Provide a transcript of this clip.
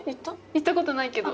行ったことないけど。